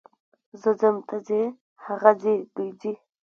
زه ځم، ته ځې، هغه ځي، دوی ځي.